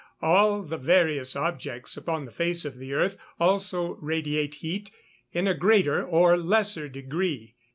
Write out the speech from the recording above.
All the various objects upon the face of the earth also radiate heat in a greater or lesser degree.